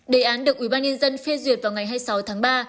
đề án được ubnd phê duyệt vào ngày hai mươi sáu tháng ba